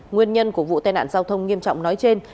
nguyên nhân của vụ tai nạn giao thông nghiêm trọng nói trên